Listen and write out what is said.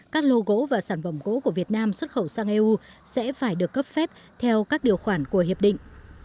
các lô gỗ và sản phẩm gỗ của việt nam xuất khẩu sang eu sẽ phải được cấp phép theo các điều khoản của hiệp định